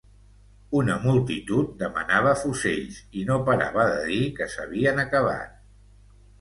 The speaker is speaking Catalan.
Una multitud demanava fusells i no parava de dir que s'havien acabat